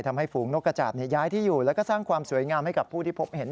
ทำให้ฝูงนกกระจาบย้ายที่อยู่แล้วก็สร้างความสวยงามให้กับผู้ที่พบเห็น